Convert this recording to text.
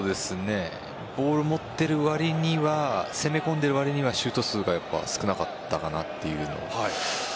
ボールを持っている割には攻め込んでいる割にはシュート数が少なかったかなという。